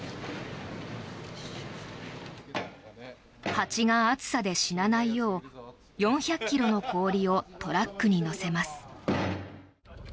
蜂が暑さで死なないよう４００ｋｇの氷をトラックに載せます。